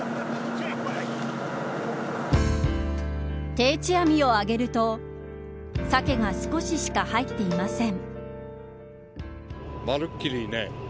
定置網を上げるとサケが少ししか入っていません。